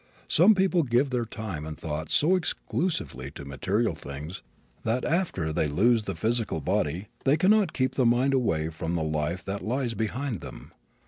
Some people give their time and thought so exclusively to material things that after they lose the physical body they cannot keep the mind away from the life that lies behind them.